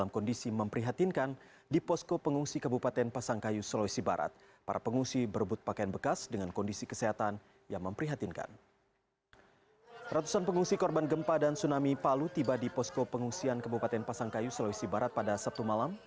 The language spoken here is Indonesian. ketika mereka tiba di posko pengungsian kabupaten pasangkayu sulawesi barat pada sabtu malam